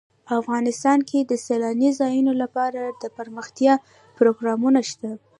افغانستان کې د سیلانی ځایونه لپاره دپرمختیا پروګرامونه شته.